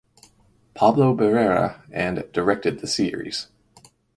Pablo Barrera and directed the series.